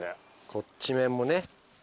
こっち面もね。